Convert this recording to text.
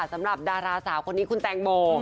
สำหรับดาราสาวคนนี้คุณแตงโม